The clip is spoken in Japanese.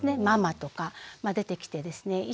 「ママ」とか出てきてですね